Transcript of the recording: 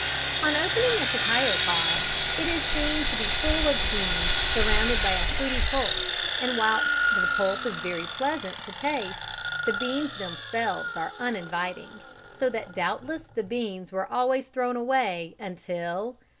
On opening a cacao pod, it is seen to be full of beans surrounded by a fruity pulp, and whilst the pulp is very pleasant to taste, the beans themselves are uninviting, so that doubtless the beans were always thrown away until